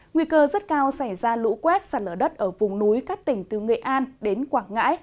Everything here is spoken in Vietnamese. nguy cơ rất cao xảy ra lũ quét sạt lở đất ở vùng núi các tỉnh từ nghệ an đến quảng ngãi